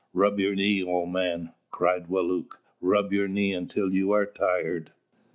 "Rub your knee, old man," cried Wālūt, "rub your knee until you are tired!"